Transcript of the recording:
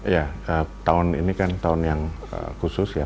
ya tahun ini kan tahun yang khusus ya